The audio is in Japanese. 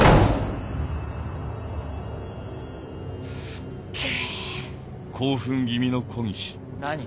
すっげぇ。